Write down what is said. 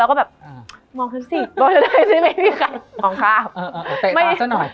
มันทำให้ชีวิตผู้มันไปไม่รอด